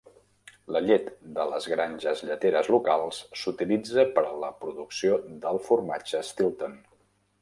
La llet de les granges lleteres locals s'utilitza per a la producció del formatge Stilton.